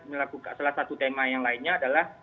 melakukan salah satu tema yang lainnya adalah